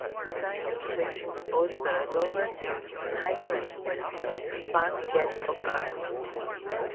Science Fiction author Robert Heinlein was the "fan guest of honor".